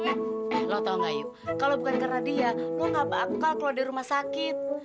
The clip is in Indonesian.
eh lo tau gak ayu kalau bukan karena dia lo gak bakal keluar dari rumah sakit